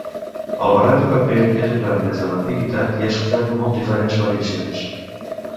El barret o capell és usat des de l'antiguitat i ha sofert molt diferents variacions.